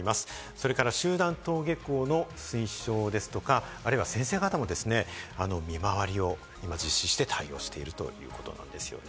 それから集団登下校の推奨ですとか、あるいは先生方も見回りを実施して対応しているということなんですよね。